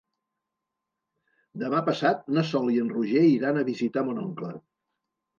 Demà passat na Sol i en Roger iran a visitar mon oncle.